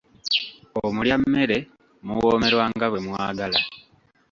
Omulya mmere muwoomerwa nga bwe mwagala.